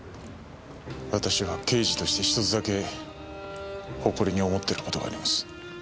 私は刑事として１つだけ誇りに思ってる事があります。